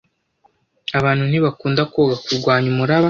Abantu ntibakunda koga kurwanya umuraba.